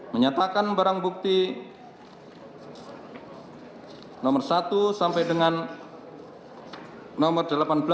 menyatakan barang bukti nomor satu sampai dengan nomor delapan belas